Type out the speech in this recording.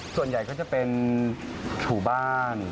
ส่วนใหญ่ก็จะเป็นถูบ้าน